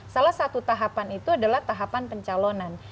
salah satu tahapan itu adalah tahapan pencalonan